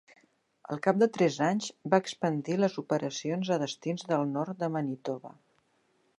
Al cap de tres anys va expandir les operacions a destins del nord de Manitoba.